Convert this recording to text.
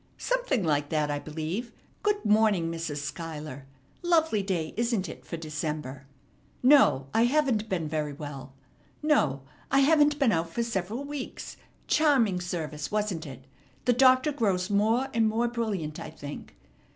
"Something like that, I believe. Good morning, Mrs. Schuyler. Lovely day, isn't it? for December. No, I haven't been very well. No, I haven't been out for several weeks. Charming service, wasn't it? The Doctor grows more and more brilliant, I think.